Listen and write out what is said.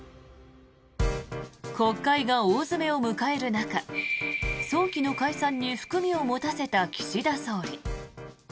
国会が大詰めを迎える中早期の解散に含みを持たせた岸田総理。